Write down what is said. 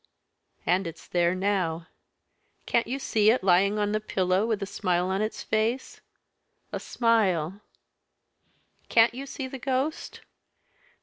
And it's there now. Can't you see it lying on the pillow, with a smile on its face? a smile! Can't you see the ghost?"